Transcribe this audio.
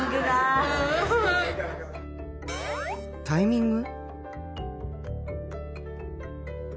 タイミング？